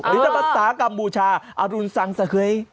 แล้วภาษากรรมบูชาอรุณสังสะเคย